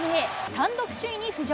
単独首位に浮上。